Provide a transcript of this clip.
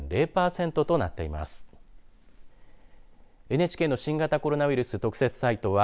ＮＨＫの新型コロナウイルス特設サイトは